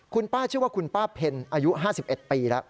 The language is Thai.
คุณป้าชื่อว่าคุณป้าเพ็ญอายุ๕๑ปีแล้ว